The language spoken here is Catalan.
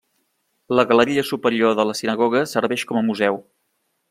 La galeria superior de la sinagoga serveix com a museu.